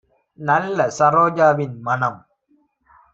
நல்ல ஸரோஜாவின் - மணம்